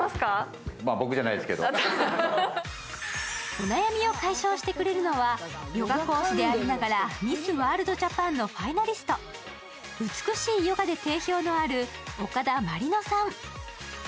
お悩みを解消してくれるのはヨガ講師でありながらミスワールドジャパンのファイナリスト、美しいヨガで定評のある岡田茉里乃さん。